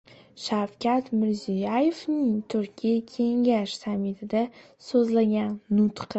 Shavkat Mirziyoyevning Turkiy kengash sammitida so‘zlagan nutqi